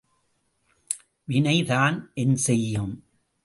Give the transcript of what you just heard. வினை தான் என் செயும்?